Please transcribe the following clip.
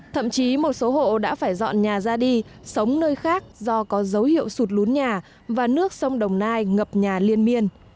thậm chí một số hộ đã phải dọn nhà ra đi sống nơi khác do có dấu hiệu sụt lún nhà và nước sông đồng nai ngập nhà liên miên